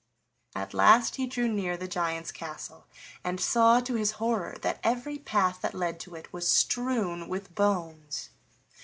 At last he drew near the giant's castle, and saw to his horror that every path that led to it was strewn with bones.